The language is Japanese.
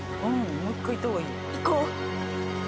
もう一回行ったほうがいいよ。